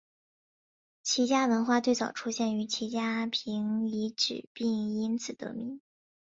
齐家文化最早发现于齐家坪遗址并因此得名。